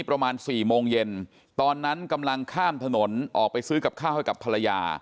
ประมาณสี่โมงเย็นตอนนั้นกำลังข้ามถนนออกไปซื้อกับข้าวให้กับภรรยา